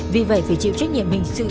vì vậy phải chịu trách nhiệm hình sự